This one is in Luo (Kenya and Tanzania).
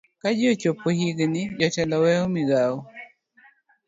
ka ji ochopo higini jotelo weyo migawogi